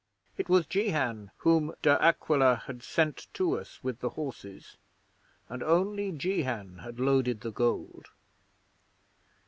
It was Jehan whom De Aquila had sent to us with the horses, and only Jehan had loaded the gold.